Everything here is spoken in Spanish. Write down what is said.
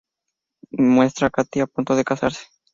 Muestra a Katy a punto de casarse.